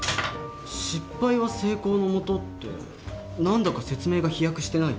「失敗は成功のもと」って何だか説明が飛躍してない？